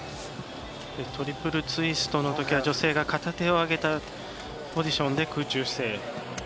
トリプルツイストのときは女性が片手を上げたポジションで空中姿勢。